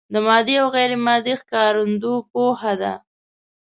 د مادي او غیر مادي ښکارندو پوهه ده.